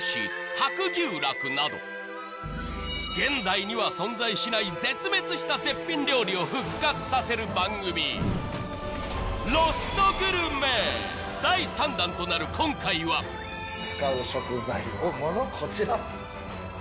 白牛酪など現代には存在しない絶滅した絶品料理を復活させる番組第３弾となる今回は使う食材はこちらまだ？